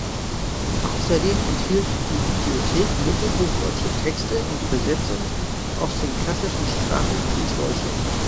Außerdem enthielt die Bibliothek mittelhochdeutsche Texte und Übersetzungen aus den klassischen Sprachen ins Deutsche.